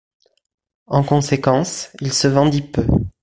En conséquence, il se vendit peu.